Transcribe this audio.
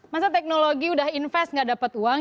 masa teknologi udah invest gak dapat uang